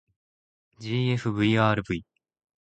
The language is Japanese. ｇｆｖｒｖ